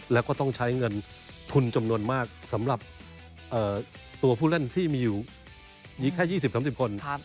แล้วก็ต้องใช้เงินทุนจำนวนมากสำหรับตัวผู้เล่นที่มีอยู่มีแค่๒๐๓๐คน